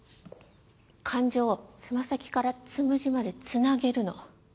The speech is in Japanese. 感情をつま先からつむじまでつなげるの。